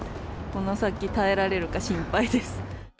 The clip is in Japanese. この先、耐えられるか心配です。